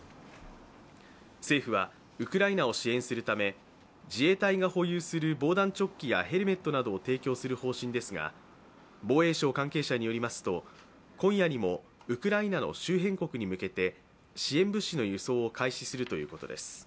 政府はウクライナを支援するため自衛隊が保有する防弾チョッキやヘルメットなどを提供する方針ですが、防衛省関係者によりますと、今夜にもウクライナの周辺国に向けて支援物資の輸送を開始するということです。